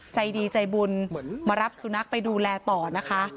ใจดีใจบุญมารับสุนัขไปดูแลต่อนะคะ